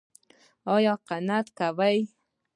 ایا قناعت کوئ؟